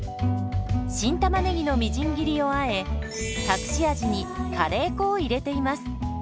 新たまねぎのみじん切りをあえ隠し味にカレー粉を入れています。